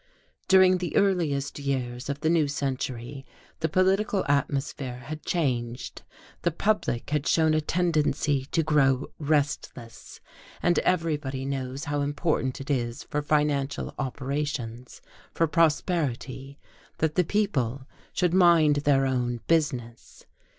During the earliest years of the new century the political atmosphere had changed, the public had shown a tendency to grow restless; and everybody knows how important it is for financial operations, for prosperity, that the people should mind their own business.